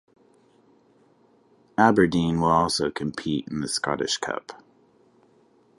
Aberdeen will also compete in the Scottish Cup.